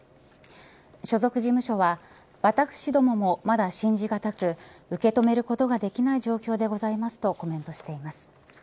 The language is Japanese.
所属事務所は私どももまだ信じがたく受け止めることができない状況でございますとコメントしています。